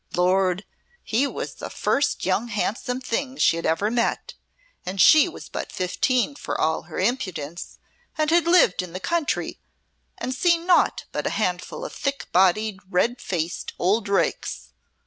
Lord! he was the first young handsome thing she had ever met and she was but fifteen for all her impudence, and had lived in the country and seen naught but a handful of thick bodied, red faced old rakes.